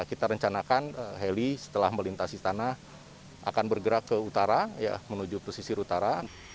kita rencanakan heli setelah melintasi istana akan bergerak ke utara ya menuju posisi utara